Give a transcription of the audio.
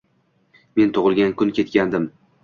Men tug’ilgan kunga ketgandim.